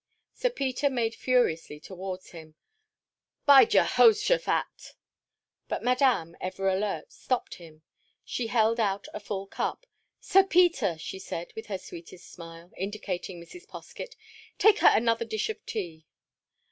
Sir Peter made furiously towards him. "By Jehoshaphat—!" But Madame, ever alert, stopped him. She held out a full cup. "Sir Peter," she said, with her sweetest smile, indicating Mrs. Poskett, "take her another dish of tea."